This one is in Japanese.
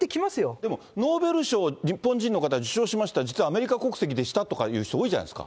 でもノーベル賞、日本人の方、受賞しました、実はアメリカ国籍でしたっていう人、多いじゃないですか。